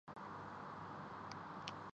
کھلنا test پر پاکستان کی گرفت مضبوط